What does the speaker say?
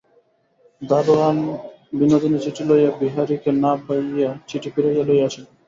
দরোয়ান বিনোদিনীর চিঠি লইয়া বিহারীকে না পাইয়া চিঠি ফিরাইয়া লইয়া আসিল।